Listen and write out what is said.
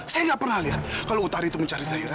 saya tidak pernah lihat kalau utari itu mencari syahirah